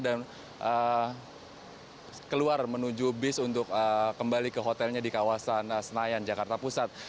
dan keluar menuju bis untuk kembali ke hotelnya di kawasan senayan jakarta pusat